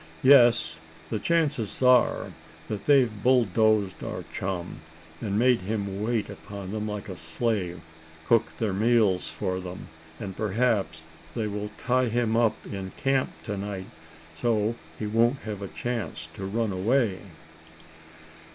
"Yes, the chances are that they've bulldozed our chum, and made him wait upon them like a slave, cook their meals for them; and perhaps they will tie him up in camp to night, so he won't have a chance to run away."